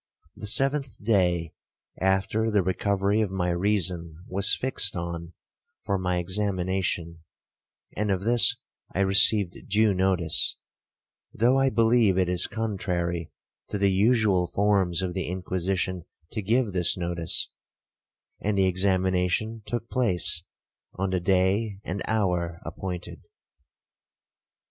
The seventh day after the recovery of my reason was fixed on for my examination, and of this I received due notice, though I believe it is contrary to the usual forms of the Inquisition to give this notice; and the examination took place on the day and hour appointed.